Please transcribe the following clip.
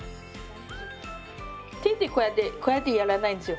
手でこうやってこうやってやらないんですよ。